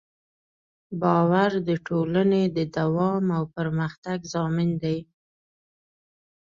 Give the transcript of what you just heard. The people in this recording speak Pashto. باور د ټولنې د دوام او پرمختګ ضامن دی.